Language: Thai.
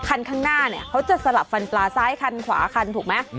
คันข้างหน้าเนี่ยเขาจะสลับฟันปลาซ้ายคันขวาคันถูกไหม